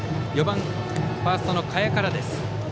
４番ファーストの賀谷からです。